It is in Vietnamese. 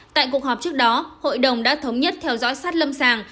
tại cuộc họp trước đó hội đồng đã thống nhất theo dõi sát lâm sàng